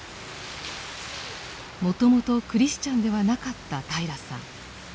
もともとクリスチャンではなかった平良さん。